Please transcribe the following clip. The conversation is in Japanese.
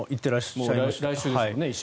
もう来週ですもんね。